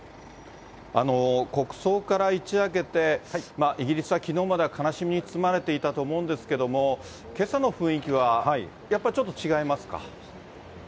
国葬から一夜明けて、イギリスは、きのうまでは悲しみに包まれていたと思うんですけども、けさの雰囲気は、やっぱりちょっと違いますか。